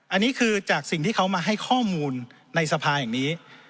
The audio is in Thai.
อันนี้คือจากสิ่งที่เขามาให้ข้อมูลในสภาแห่งนี้